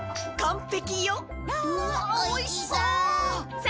うわぁおいしそう！さ！